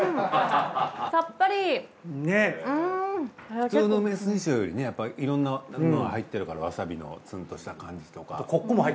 普通の梅水晶よりねやっぱいろんなの入ってるからわさびのツーンとした感じとか。